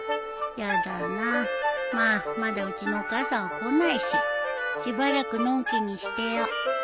やだなまあまだうちのお母さんは来ないししばらくのんきにしてよ